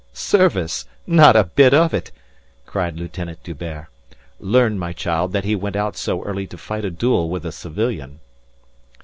"Service? Not a bit of it!" cried Lieutenant D'Hubert. "Learn, my child, that he went out so early to fight a duel with a civilian."